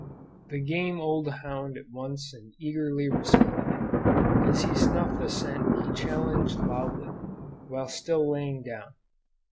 The game old hound at once and eagerly responded. As he snuffed the scent he challenged loudly, while still lying down.